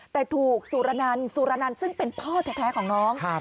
แต่ถูกสุรนันสุรนันซึ่งเป็นพ่อแท้ของน้อง